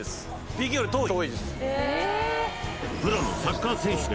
ＰＫより遠い！？